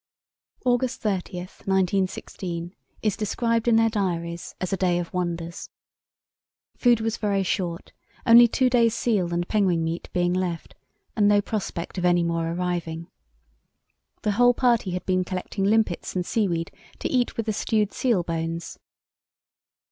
August 30, 1916, is described in their diaries as a "day of wonders." Food was very short, only two days' seal and penguin meat being left, and no prospect of any more arriving. The whole party had been collecting limpets and seaweed to eat with the stewed seal bones.